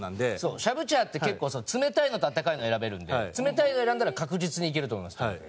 シャブチャーって結構冷たいのと温かいの選べるんで冷たいの選んだら確実にいけると思います。